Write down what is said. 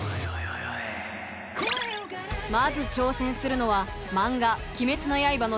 まず挑戦するのはマンガ「鬼滅の刃」の